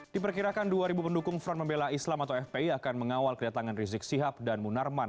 diperkirakan dua pendukung front membela islam atau fpi akan mengawal kedatangan rizik sihab dan munarman